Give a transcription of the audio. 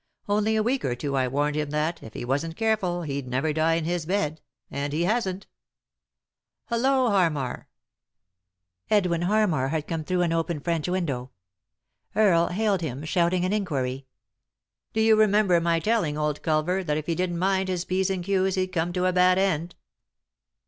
Only a week or two ago I warned him that, if he wasn't careful, he'd never die in his bed; and he hasn't. Hullo, Harmar 1" Edwin Harmar had come through an open French window. Earle bailed him, shouting an inquiry. " Do you remember my telling old Culver that if be didn't mind his P's and Q's he'd come to a bad end